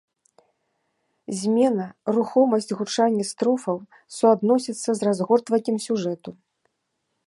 Змена, рухомасць гучання строфаў суадносяцца з разгортваннем сюжэту.